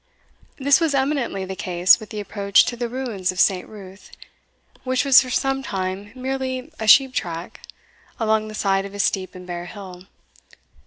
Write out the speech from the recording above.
This was eminently the case with the approach to the ruins of Saint Ruth, which was for some time merely a sheep track, along the side of a steep and bare hill.